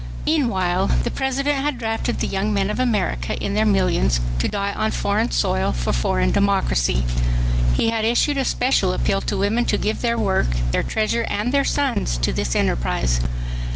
Meanwhile the President had drafted the young men of America in their millions to die on foreign soil for foreign democracy. He had issued a special appeal to women to give their work, their treasure and their sons to this enterprise.